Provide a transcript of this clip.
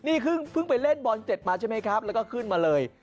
นี่เพิ่งไปเล่นบอลเสร็จมาใช่ไหมครับแล้วก็ขึ้นมาเลย